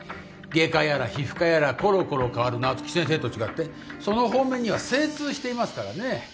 外科やら皮膚科やらころころ変わる夏樹先生と違ってその方面には精通していますからね。